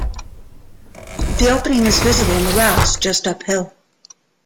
The opening is visible in the rocks just uphill.